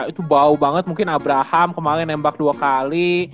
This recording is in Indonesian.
itu bau banget mungkin abraham kemarin nembak dua kali